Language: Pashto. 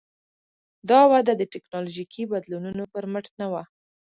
دا وده د ټکنالوژیکي بدلونونو پر مټ نه وه.